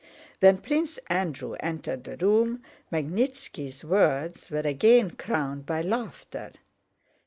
When Prince Andrew entered the room Magnítski's words were again crowned by laughter.